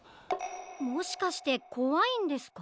もしかしてこわいんですか？